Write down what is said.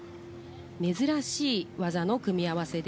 珍しい技の組み合わせ。